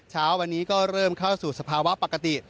เช้าวันนี้ก็เริ่มเข้าสู่สภาวะปกติ